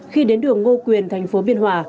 khi đến đường ngô quyền thành phố biên hòa